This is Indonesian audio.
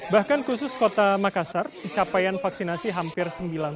bahkan khusus kota makassar capaian vaksinasi hampir sembilan puluh